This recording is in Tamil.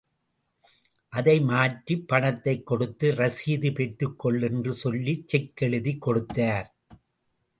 அதை மாற்றிப் பணத்தைக் கொடுத்து ரசீது பெற்றுக்கொள் என்று சொல்லி செக் எழுதி கொடுத்தார்.